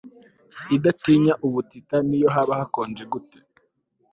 idatinya ubutita niyo haba konje gute